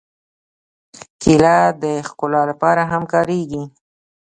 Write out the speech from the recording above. کېله د ښکلا لپاره هم کارېږي.